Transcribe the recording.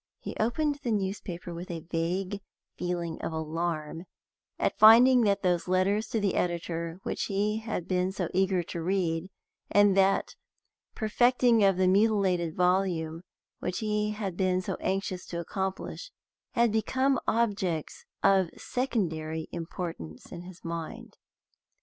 He opened the newspaper with a vague feeling of alarm at finding that those letters to the editor which he had been so eager to read, and that perfecting of the mutilated volume which he had been so anxious to accomplish, had become objects of secondary importance in his mind.